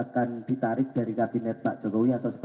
kita akan mencoba